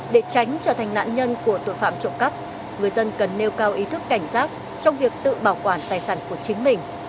để tránh trở thành nạn nhân của tội phạm trộm cắp người dân cần nêu cao ý thức cảnh giác trong việc tự bảo quản tài sản của chính mình